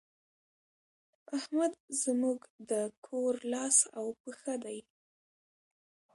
احمد زموږ د کور لاس او پښه دی.